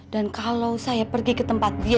dan kalau saya pergi ke tempat dia